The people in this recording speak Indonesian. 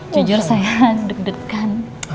jujur saya deg degan